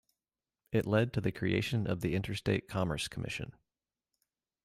It led to the creation of the Interstate Commerce Commission.